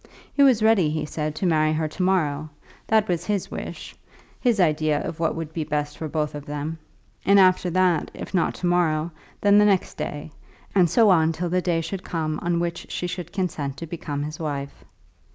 He was ready, he said, to marry her to morrow. That was his wish, his idea of what would be best for both of them; and after that, if not to morrow, then on the next day, and so on till the day should come on which she should consent to become his wife.